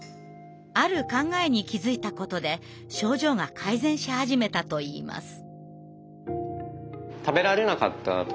ある考えに気づいたことで症状が改善し始めたといいます。